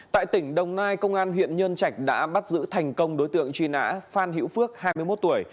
tại tỉnh đồng nai công an huyện nhân trạch đã bắt giữ thành công đối tượng truy nã phan hữu phước hai mươi một tuổi